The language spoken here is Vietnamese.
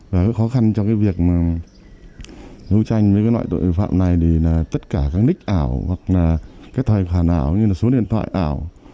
và có khó khăn trong việc nấu tranh với loại tội phạm này là tất cả các ních ảo hoặc là các tài khoản ảo như số điện thoại ảo